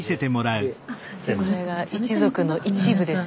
スタジオこれが一族の一部です。